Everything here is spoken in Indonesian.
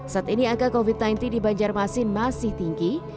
saat ini angka covid sembilan belas di banjarmasin masih tinggi